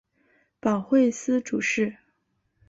保惠司主事。